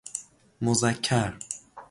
مذکر